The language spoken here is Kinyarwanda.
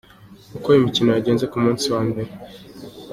Uko imikino yagenze ku munsi wa mbere.